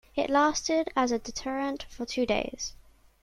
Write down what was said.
It lasted as a deterrent for two days.